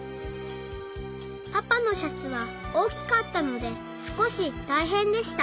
パパのシャツはおおきかったのですこしたいへんでした。